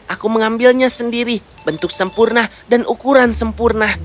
aku mengambilnya sendiri bentuk sempurna dan ukuran sempurna